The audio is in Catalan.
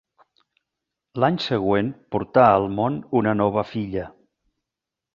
L'any següent portà al món una nova filla.